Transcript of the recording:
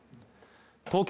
東京